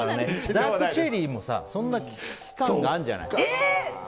ダークチェリーも期間があるんじゃない。